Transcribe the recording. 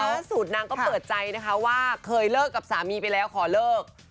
ล่าสุดนางก็เปิดใจนะคะว่าเคยเลิกกับสามีไปแล้วขอเลิก